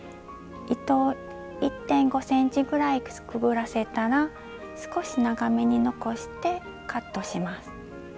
糸を１．５ｃｍぐらいくぐらせたら少し長めに残してカットします。